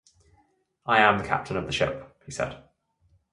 "I am the captain of the ship," he said.